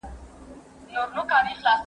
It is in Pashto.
ډېر یې زړه سو چي له ځان سره یې سپور کړي